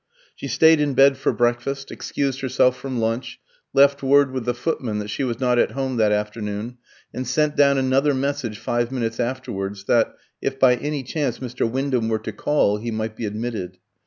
She stayed in bed for breakfast, excused herself from lunch, left word with the footman that she was not at home that afternoon, and sent down another message five minutes afterwards that, if by any chance Mr. Wyndham were to call, he might be admitted.